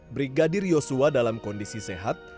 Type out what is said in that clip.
brigadir yosua dalam kondisi sehat